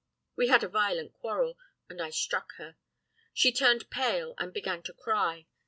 We had a violent quarrel, and I struck her. She turned pale and began to cry.